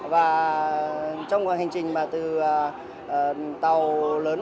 và trong hành trình mà từ tàu lớn